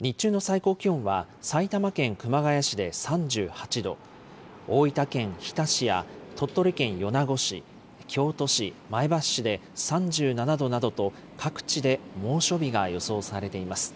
日中の最高気温は埼玉県熊谷市で３８度、大分県日田市や鳥取県米子市、京都市、前橋市で３７度などと、各地で猛暑日が予想されています。